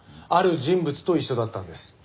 ある人物と一緒だったんです。